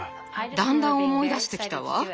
だんだん思い出してきたわ。